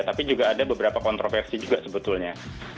tapi juga ada beberapa kontroversi juga sebetulnya